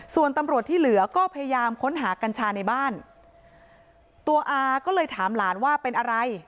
ส่วนตำรวจที่เหลือก็พยายามค้นหากัญชาในบ้านตัวอาก็เลยถามหลานว่าเป็นอะไร